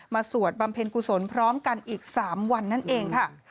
สวดบำเพ็ญกุศลพร้อมกันอีก๓วันนั่นเองค่ะ